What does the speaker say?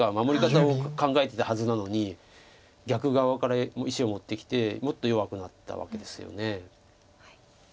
守り方を考えてたはずなのに逆側から石を持ってきてもっと弱くなったわけですよね。